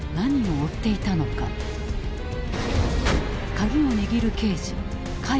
鍵を握る刑事甲斐